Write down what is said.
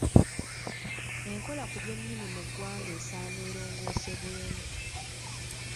Enkola ku by’ennimi mu ggwanga esaana erongoosebwemu.